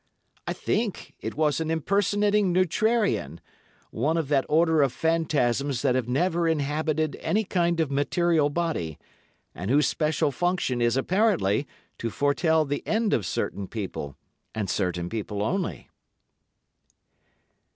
I think it was an impersonating neutrarian, one of that order of phantasms that have never inhabited any kind of material body, and whose special function is apparently to foretell the end of certain people, and certain people only."